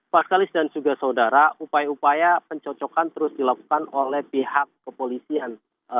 paskalis dan juga saudara upaya upaya pencocokan terus dilakukan oleh pihak kepolisian